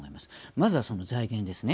まずは、その財源です。